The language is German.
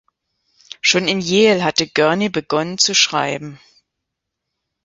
Schon in Yale hatte Gurney begonnen zu schreiben.